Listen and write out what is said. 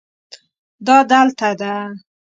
دا دلته ده